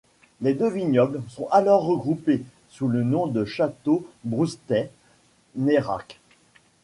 Les deux vignobles sont alors regroupés, sous le nom de Château Broustet-Nairac.